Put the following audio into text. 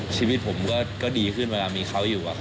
ชีวิตผมก็ดีขึ้นเวลามีเขาอยู่